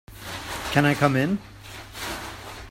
Can I come in?